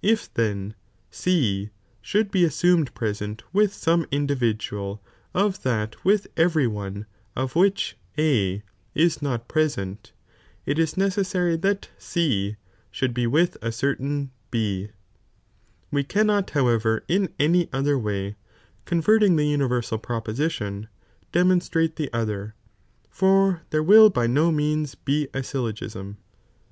If then C should be assumed present with some individual of that with every one of which A is not present, it is necessaiy that C should be with a certain B, We cannot however in any other way, converting the universal proposition, demoo atrate the other, for there will by no means be a syllogism.'